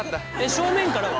正面からは？